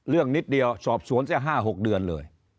เรื่องนิดเดียวสอบสวนแค่๕๖เดือนเลย